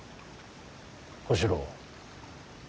小四郎。